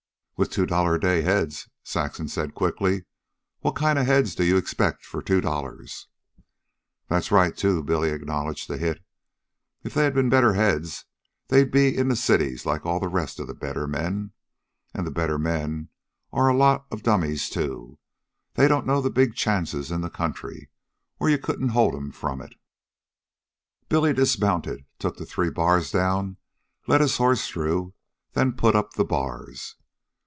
"With two dollar a day heads," Saxon said quickly. "What kind of heads do you expect for two dollars?" "That's right, too," Billy acknowledged the hit. "If they had better heads they'd be in the cities like all the rest of the better men. An' the better men are a lot of dummies, too. They don't know the big chances in the country, or you couldn't hold 'm from it." Billy dismounted, took the three bars down, led his horse through, then put up the bars.